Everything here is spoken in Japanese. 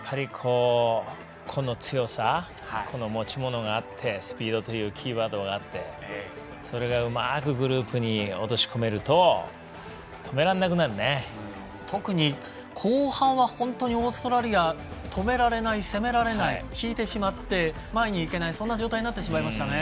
個の強さ個の持ち物があってスピードというキーワードがあってそれがうまくグループに落とし込めると特に後半は本当にオーストラリア止められない、攻められない引いてしまってという状況になりましたね。